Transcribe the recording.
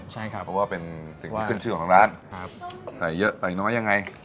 เพราะว่าเป็นสิ่งที่ขึ้นชื่อของร้านครับใส่เยอะใส่น้อยยังไง